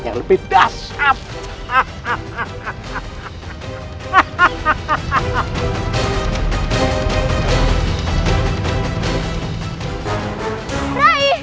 yang lebih dasar